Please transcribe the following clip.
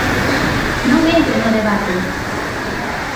Non entre no debate.